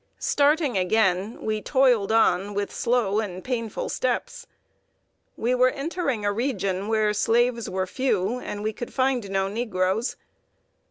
Starting again, we toiled on with slow and painful steps. We were entering a region where slaves were few, and we could find no negroes.